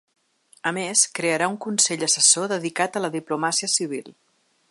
A més, crearà un consell assessor dedicat a la diplomàcia civil.